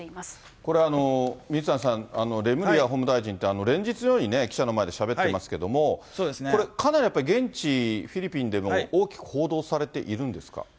これ、水谷さん、レムリヤ法務大臣って、連日のように記者の前でしゃべっていますけれども、これ、かなりやっぱり現地、フィリピンでも大きく報道されているんです